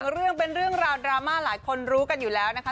เรื่องราวดราม่าหลายคนรู้กันอยู่แล้วนะคะ